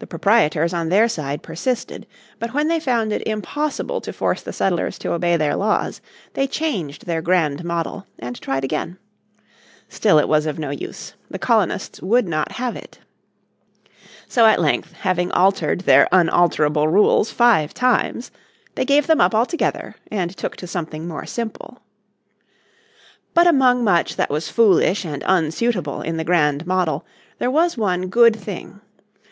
The proprietors on their side persisted. But when they found it impossible to force the settlers to obey their laws they changed their Grand Model and tried again. Still it was of no use. The colonists would not have it. So at length, having altered their unalterable rules five times, they gave them up altogether and took to something more simple. But among much that was foolish and unsuitable in the Grand Model there was one good thing.